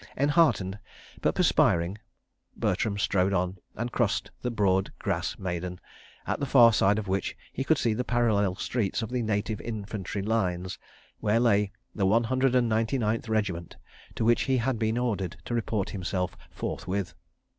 Enheartened, but perspiring, Bertram strode on, and crossed the broad grass maidan, at the far side of which he could see the parallel streets of the Native Infantry Lines, where lay the One Hundred and Ninety Ninth Regiment, to which he had been ordered to report himself "forthwith."